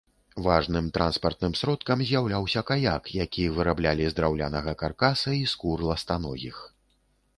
Важным транспартным сродкам з'яўляўся каяк, які выраблялі з драўлянага каркаса і скур ластаногіх.